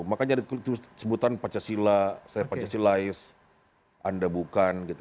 makanya ada sebutan pancasila saya pancasilais anda bukan gitu